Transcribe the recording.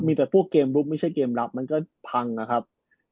มีแต่พวกเกมลุกไม่ใช่เกมรับมันก็พังนะครับ